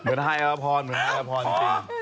เออเหมือนไฮอัลพอร์นจริง